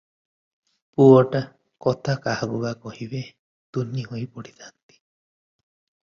ପୁଅଟା କଥା କାହାକୁ ବା କହିବେ, ତୁନି ହୋଇ ପଡିଥାନ୍ତି ।